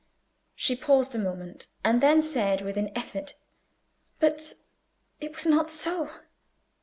She paused a moment, and then said, with an effort, "But it was not so.